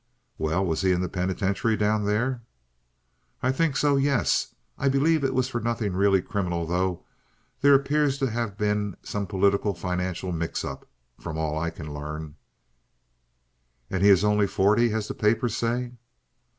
"Well, was he in the penitentiary down there?" "I think so—yes. I believe it was for nothing really criminal, though. There appears to have been some political financial mix up, from all I can learn." "And is he only forty, as the papers say?"